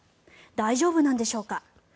大丈夫なんでしょうか。